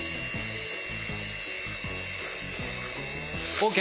ＯＫ。